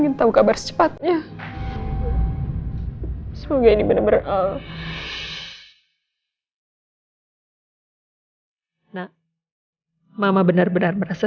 ini benar benar berita